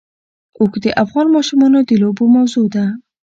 اوښ د افغان ماشومانو د لوبو موضوع ده.